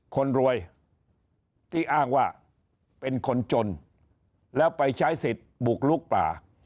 คนรวยที่อ้างว่าเป็นคนจนแล้วไปใช้สิทธิ์บุกลุกป่า